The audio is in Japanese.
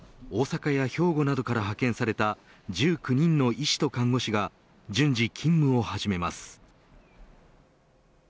大阪や兵庫などから派遣された１９人の医師と看護師が順次、勤務を始めます。